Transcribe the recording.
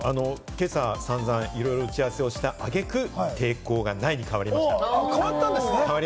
今朝さんざん打ち合わせをしたあげく、抵抗がないに変わりました。